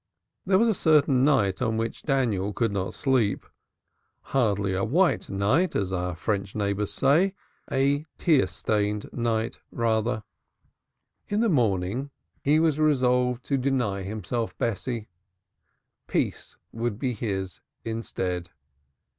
There was a certain night on which Daniel did not sleep hardly a white night as our French neighbors say; a tear stained night rather. In the morning he was resolved to deny himself Bessie. Peace would be his instead.